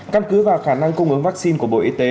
căn cứ vào khả năng cung ứng vaccine của bộ y tế